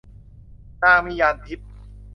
นางมีญาณทิพย์